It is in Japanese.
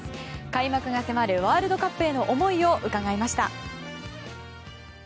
開幕が迫るワールドカップへの思いを伺いました。